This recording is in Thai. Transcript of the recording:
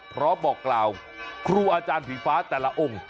บอกกล่าวครูอาจารย์ผีฟ้าแต่ละองค์